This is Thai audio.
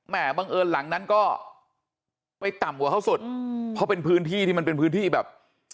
บังเอิญหลังนั้นก็ไปต่ำกว่าเขาสุดเพราะเป็นพื้นที่ที่มันเป็นพื้นที่แบบ